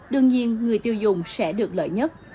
đương nhiên người tiêu dùng sẽ được lợi nhất